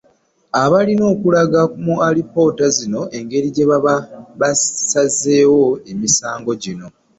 Balina okulaga mu alipoota zino engeri gye baba basazeemu emisango gino.